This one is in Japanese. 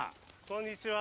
こんにちは。